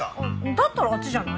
だったらあっちじゃない？